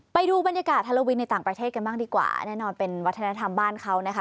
ไปดูบรรยากาศฮาโลวินในต่างประเทศกันบ้างดีกว่าแน่นอนเป็นวัฒนธรรมบ้านเขานะคะ